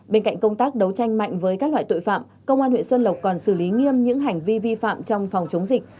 bên cạnh công tác đấu tranh mạnh với các loại tội phạm công an huyện xuân lộc còn xử lý nghiêm những hành vi vi phạm trong phòng chống dịch